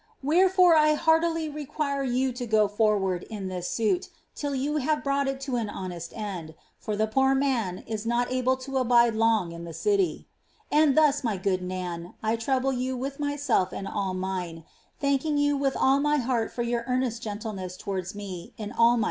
Wherefore I heartily re quire you JO ;!o forward in this suit till you have brought it to an honest end, ix the poor man is not able to abide long in the city. And thus, my ftood Nann. I trouble you with myself and all mine; thanking jou with all my heart for your earnest gentleness towards me in all my suits ' Pollino, p.